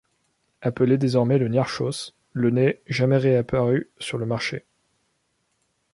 Appelé désormais le Niarchos, le n'est jamais réapparu sur le marché.